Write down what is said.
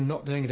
何？